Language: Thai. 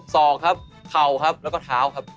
ศอกครับเข่าครับแล้วก็เท้าครับ